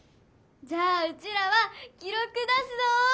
じゃあうちらは記ろく出すぞ！